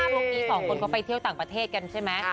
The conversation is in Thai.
พวกนี้๒คนก็ไปเที่ยวต่างประเทศกันใช่ไหม